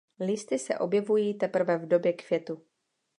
Listy se objevují teprve v době květu.